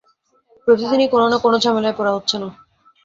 প্রতিদিনই কোনো-না-কোনো ঝামেলায় পড়া হচ্ছে না।